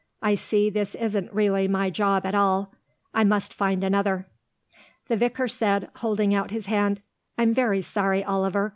I see this isn't really my job at all. I must find another." The vicar said, holding out his hand, "I'm very sorry, Oliver.